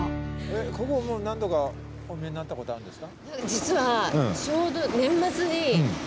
ここもう何度かお見えになったことあるんですか？